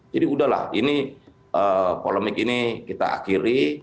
jadi udahlah polemik ini kita akhiri